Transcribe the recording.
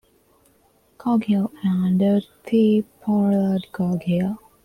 Coghill and Dorothy Pollard Coghill.